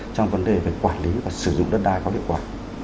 trong vấn đề về quản lý và sử dụng đất đai có hiệu quả